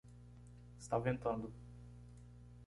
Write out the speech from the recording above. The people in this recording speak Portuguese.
Está ventando.